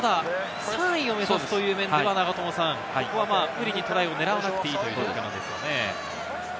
３位を目指すという面ではここは無理にトライを狙わなくていいという。